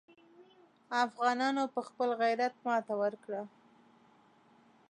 افغانانو په خپل غیرت ماته ورکړه.